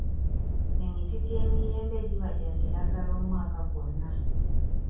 Emiti gy'emiyembe giba gya kiragala omwaka gwonna.